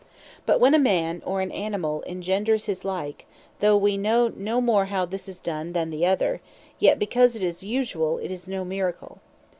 But when a man, or other Animal, engenders his like, though we know no more how this is done, than the other; yet because 'tis usuall, it is no Miracle.